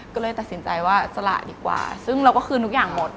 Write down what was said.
ก็เลยตัดสินใจว่าสละดีกว่าซึ่งเราก็คืนทุกอย่างหมด